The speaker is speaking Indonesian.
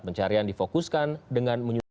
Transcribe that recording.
pencarian difokuskan dengan menyusupkan